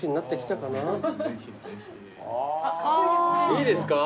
いいですか？